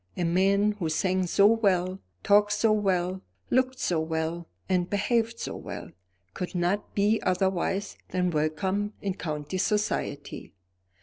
A man who sang so well, talked so well, looked so well, and behaved so well, could not be otherwise than welcome in county society.